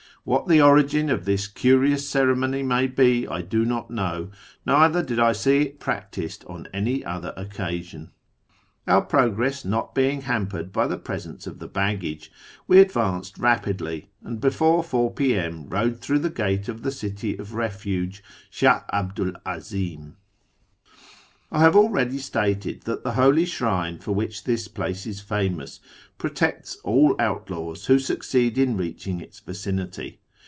What the origin of this curious ceremony may be I do not know, neither did I see it practised on any other occasion. Our progress not being hampered by the presence of the l)aggage, we advanced rapidly, and before 4 p.m. rode through the gate of the city of refuge, Sluih 'Abdu 'l 'Azim. I have already stated that the holy shrine for which this place is I famous protects all outlaws who succeed in reaching its vicinity.